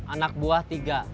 anak buah tiga